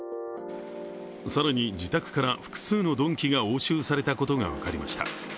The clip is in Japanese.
更に、自宅から複数の鈍器が押収されたことが分かりました。